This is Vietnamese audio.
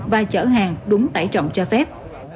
và chở hàng đúng tải trọng cho phép